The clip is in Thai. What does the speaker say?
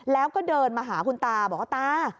แล้วก็เดินมาหาคุณตาบอกว่าตา